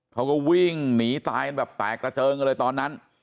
เขาก็วิ่งหนีตายกันแบบแตกกระเจิงกันเลยตอนนั้น